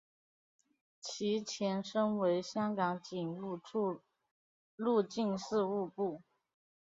其前身为香港警务处入境事务部。